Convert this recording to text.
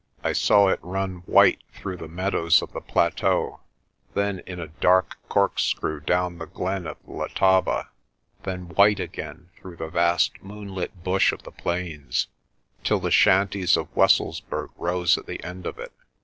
I saw it run white through the meadows of the plateau, then in a dark cork screw down the glen of the Letaba, then white again through the vast moonlit bush of the plains, till the shanties of Wes selsburg rose at the end of it.